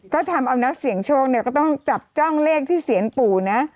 ก็ถามอำนักเสียงโชคก็ต้องจับจ้องเลขที่เสียงปู่นะ